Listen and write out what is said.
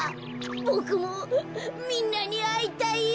ボクもみんなにあいたいよ。